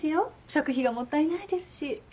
食費がもったいないですし。